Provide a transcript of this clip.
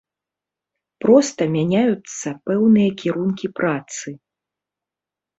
Проста мяняюцца пэўныя кірункі працы.